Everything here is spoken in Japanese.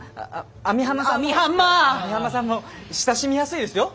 網浜さんも親しみやすいですよ。